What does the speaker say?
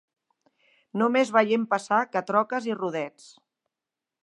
No més veient passar que troques i rodets